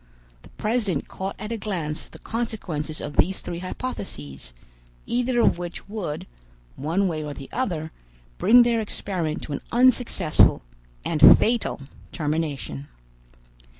The president caught at a glance the consequences of these three hypotheses, either of which would, one way or the other, bring their experiment to an unsuccessful and fatal termination.